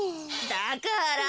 だから。